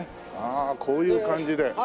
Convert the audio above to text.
ああこういう感じで。